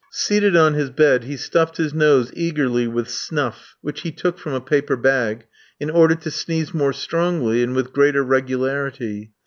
Seated on his bed he stuffed his nose eagerly with snuff, which he took from a paper bag, in order to sneeze more strongly, and with greater regularity.